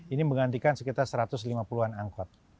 ini menggantikan sekitar satu ratus lima puluh an angkot